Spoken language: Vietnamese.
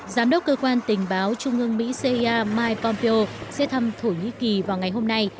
giám đốc cơ quan tình báo trung ương mỹ cia mike pompeo sẽ thăm thổ nhĩ kỳ vào ngày hôm nay